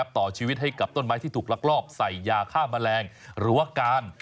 ต่อชีวิตให้กับต้นไม้ที่ถูกลักลอบใส่ยาฆ่าแมลงหรือว่าการ